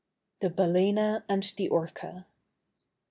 THE BALÆNA AND THE ORCA.